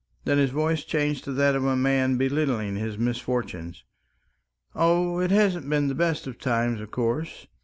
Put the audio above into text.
Then his voice changed to that of a man belittling his misfortunes. "Oh, it hasn't been the best of times, of course.